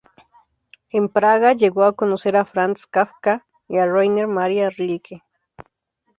En Praga llegó a conocer a Franz Kafka y a Rainer Maria Rilke.